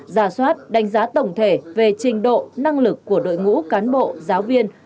ra soát đánh giá tổng thể về trình độ năng lực của đội ngũ cán bộ giáo viên